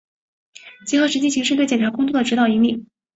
结合实际形成对检察工作的指导、引领